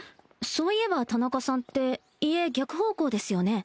そういえば田中さんって家逆方向ですよね？